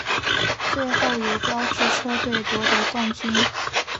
最后由标致车队夺得冠军。